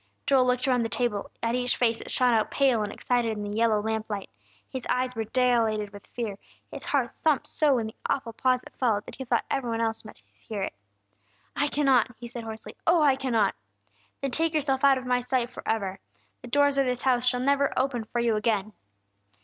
Joel looked around the table, at each face that shone out pale and excited in the yellow lamplight. His eyes were dilated with fear; his heart thumped so in the awful pause that followed, that he thought everybody else must hear it. "I cannot!" he said hoarsely. "Oh, I cannot!" "Then take yourself out of my sight forever. The doors of this house shall never open for you again!"